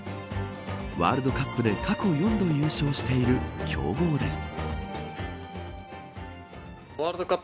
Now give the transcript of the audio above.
ワールドカップで過去４度優勝している強豪です。